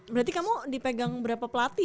berarti kamu dipegang berapa pelatih